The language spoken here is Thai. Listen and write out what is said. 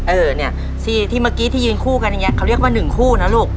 เออเนี่ยสิที่เมื่อกี้ที่ยืนคู่กันอย่างนี้เขาเรียกว่าหนึ่งคู่นะลูก